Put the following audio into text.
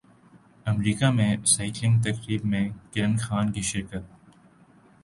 امریکہ میں سائیکلنگ تقریب میں کرن خان کی شرکت